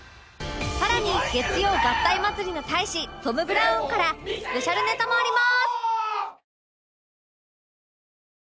更に月曜合体祭りの大使トム・ブラウンからスペシャルネタもあります！